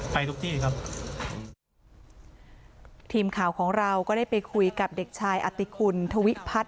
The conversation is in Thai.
ไปทุกที่ครับทีมข่าวของเราก็ได้ไปคุยกับเด็กชายอติคุณทวิพัฒน